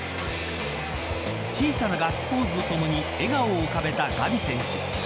小さなガッツポーズとともに笑顔を浮かべたガヴィ選手。